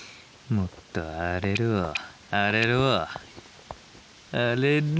もっと荒れろ荒れろ荒れろ！